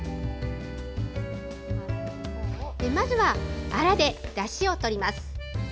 まずは、アラでだしをとります。